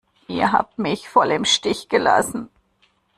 Ihr habt mich voll im Stich gelassen!